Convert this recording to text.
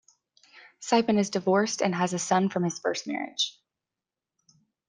Siepen is divorced and has a son from his first marriage.